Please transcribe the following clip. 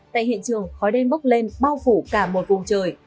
tại hiện trường khói đen bốc lên bao phủ cả một vùng trời